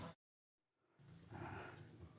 คือไม่เคยไปไหนพูดจริง